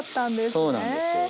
そうなんですよ。